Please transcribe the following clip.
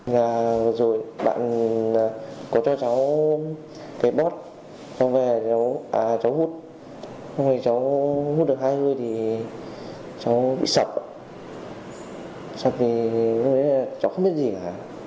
vừa rồi bạn có cho cháu cái bót cháu hút cháu hút được hai hơi thì cháu bị sập sập thì cháu không biết gì cả